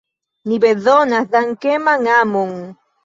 Ni bezonas dankeman amon!